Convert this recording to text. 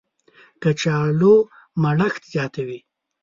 کچالو مړښت زیاتوي